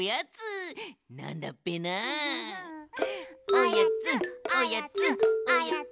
おやつおやつおやつ。